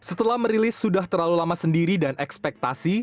setelah merilis sudah terlalu lama sendiri dan ekspektasi